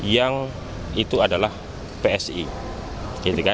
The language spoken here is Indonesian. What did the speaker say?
yang itu adalah psi